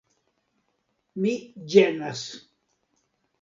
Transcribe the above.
Mi ĝenas.